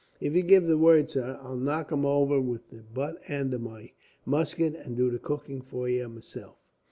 If you give the word, sir, I knock him over with the butt end of my musket, and do the cooking for you, meself."